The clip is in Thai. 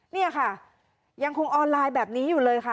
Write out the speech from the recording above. นี่ค่ะยังคงออนไลน์แบบนี้อยู่เลยค่ะ